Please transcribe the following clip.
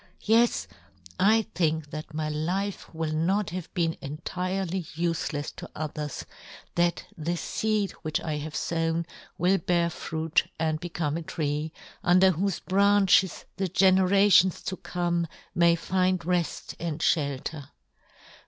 " Yes, I think that my life will not " have been entirely ufelefs to others, " that the feed which I have fown " will bear fruit and become a tree, " under whofe branches the genera " tions to come may find refl and " fhelter.